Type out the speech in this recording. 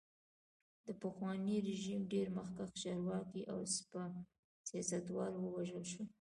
د پخواني رژیم ډېر مخکښ چارواکي او سیاستوال ووژل شول.